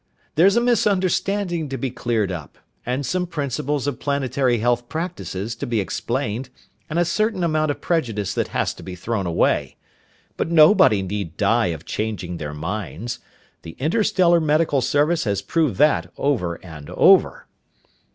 There's a misunderstanding to be cleared up, and some principles of planetary health practises to be explained, and a certain amount of prejudice that has to be thrown away. But nobody need die of changing their minds. The Interstellar Medical Service has proved that over and over!"